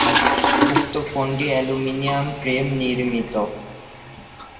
উক্ত ফোনটি aluminium frame নির্মিত।